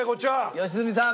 良純さん。